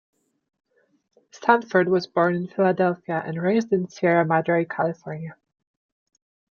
Sanford was born in Philadelphia and raised in Sierra Madre, California.